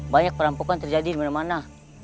banyak perampokan terjadi dimana mana